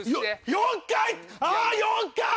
４回⁉あ４回！